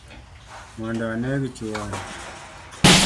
Mondo aneg chuore